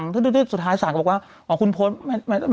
สุดท้ายสาชาธิก็บอกว่าอ๋อจะไม่ต้องพูดเยอะค่ะ